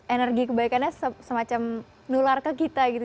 energi kebaikannya semacam nular ke kita gitu